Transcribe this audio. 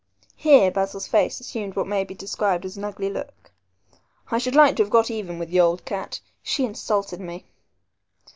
Here Basil's face assumed what may be described as an ugly look. "I should like to have got even with the old cat. She insulted me."